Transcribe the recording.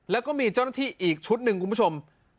แล้วก็มีเจ้าหน้าที่อีกชุดหนึ่งคุณผู้ชม